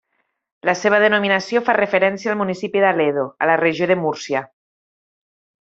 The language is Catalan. La seva denominació fa referència al municipi d'Aledo, a la Regió de Múrcia.